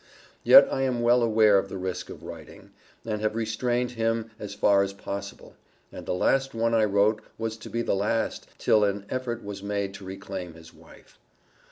Yet I am well aware of the risk of writing, and have restrained him as far as possible, and the last one I wrote was to be the last, till an effort was made to reclaim his wife.